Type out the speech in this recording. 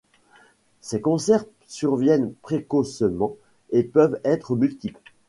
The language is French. Ces cancers surviennent précocement et peuvent être multiples.